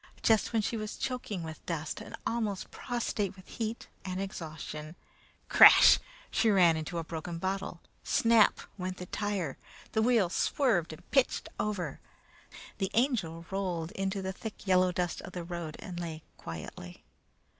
Just when she was choking with dust, and almost prostrate with heat and exhaustion crash, she ran into a broken bottle. Snap! went the tire; the wheel swerved and pitched over. The Angel rolled into the thick yellow dust of the road and lay quietly.